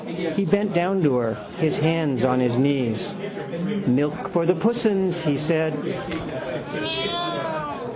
He bent down to her, his hands on his knees. —Milk for the pussens, he said.